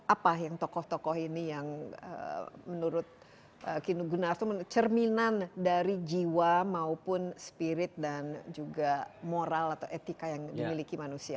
apa yang tokoh tokoh ini yang menurut kinu gunarto cerminan dari jiwa maupun spirit dan juga moral atau etika yang dimiliki manusia